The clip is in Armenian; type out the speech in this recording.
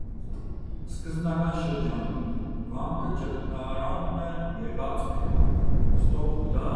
Սկզբնական շրջանին, վանքը ճգնարան մը եղած է։